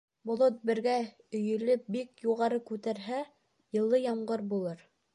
Болот бергә өйөлөп, бик юғары күтәрелһә, йылы ямғыр булыр.